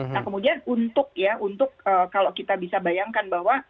nah kemudian untuk ya untuk kalau kita bisa bayangkan bahwa